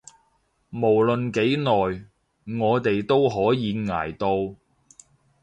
無論幾耐，我哋都可以捱到